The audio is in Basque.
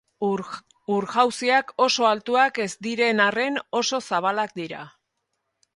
Ur-jauziak oso altuak ez diren arren oso zabalak dira.